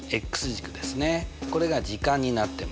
これが時間になってます。